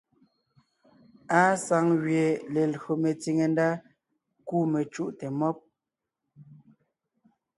Àa saŋ gẅie lelÿò metsìŋe ndá kú mecùʼte mɔ́b.